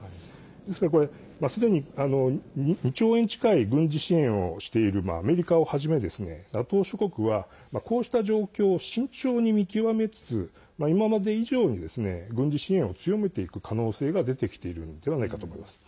ですから、すでに２兆円近い軍事支援をしているアメリカをはじめＮＡＴＯ諸国はこうした状況を慎重に見極めつつ今まで以上に軍事支援を強めていく可能性が出てきているのではないかと思います。